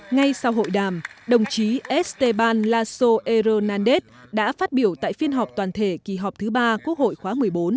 ngay sau hội đàm đồng chí esteban lasso hernández đã phát biểu tại phiên họp toàn thể kỳ họp thứ ba quốc hội khóa một mươi bốn